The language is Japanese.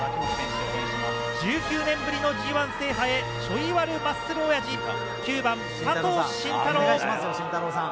１９年ぶりのＧＩ制覇へ、ちょいワルマッスルおやじ、９番佐藤慎太郎。